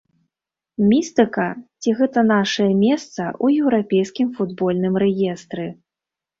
Містыка ці гэта нашае месца ў еўрапейскім футбольным рэестры?